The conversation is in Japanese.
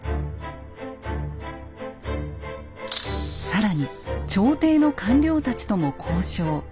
更に朝廷の官僚たちとも交渉。